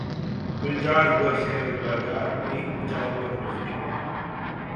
गुलजार हुआ शेयर बाजार, नई ऊंचाई पर निफ्टी बंद